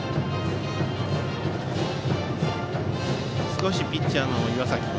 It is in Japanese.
少しピッチャーの岩崎君